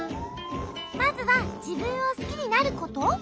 まずはじぶんをすきになること？